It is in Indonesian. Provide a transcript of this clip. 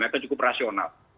mereka cukup rasional